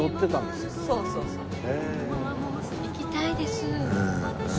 行きたいです。